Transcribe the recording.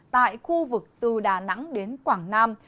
tại khu vực từ đà nẵng đến quảng nam